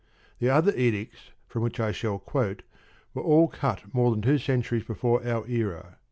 The other edicts from which I shall quote were all cut more than two centuries before our era.